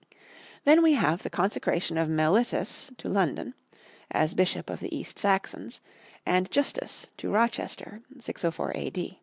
Then we have the consecration of Mellitus to London, as Bishop of the East Saxons, and Justus to Rochester (604 A.